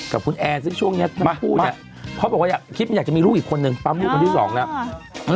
กับคุณแอร์ซึ่งช่วงนี้พ่อบอกว่าอยากจะมีลูกอีกคนหนึ่งปั้มลูกคนที่สองแล้ว